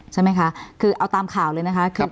ใช่ไหมคะคือเอาตามข่าวเลยนะคะ